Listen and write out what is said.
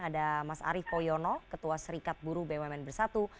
ada mas arief poyono ketua serikat buru bumn bersatu